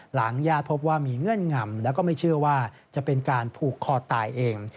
ญาติพบว่ามีเงื่อนงำแล้วก็ไม่เชื่อว่าจะเป็นการผูกคอตายเอง